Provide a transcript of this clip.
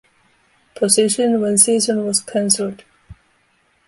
Position when season was cancelled.